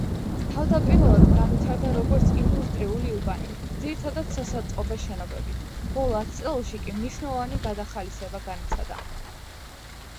თავდაპირველად განვითარდა როგორც ინდუსტრიული უბანი, ძირითადად სასაწყობე შენობებით, ბოლო ათწლეულში კი მნიშვნელოვანი გადახალისება განიცადა.